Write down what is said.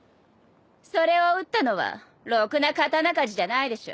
それを打ったのはろくな刀鍛冶じゃないでしょ。